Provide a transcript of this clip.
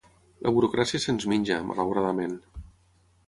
La burocràcia se'ns menja, malauradament.